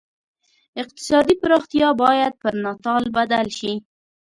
اقتصادي پراختیا باید پر ناتال بدل شي.